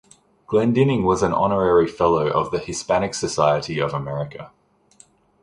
Glendinning was an Honorary Fellow of the Hispanic Society of America.